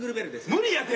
無理やて。